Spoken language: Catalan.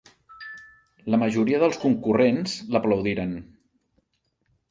La majoria dels concurrents l'aplaudiren.